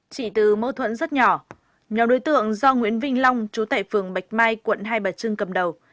chỉ từ mâu thuẫn rất nhỏ nhóm đối tượng do nguyễn vinh long chú tệ phường bạch mai quận hai bà trưng cầm đầu